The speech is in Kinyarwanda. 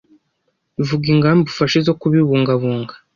vuga ingamba ufashe zo kubibungabunga.